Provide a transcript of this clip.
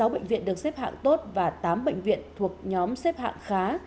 một mươi sáu bệnh viện được xếp hạng tốt và tám bệnh viện thuộc nhóm xếp hạng khá